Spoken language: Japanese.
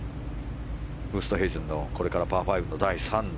ウーストヘイゼンのこれからパー５の第３打。